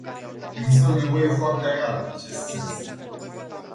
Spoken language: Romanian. Există o nevoie foarte reală în acest sens.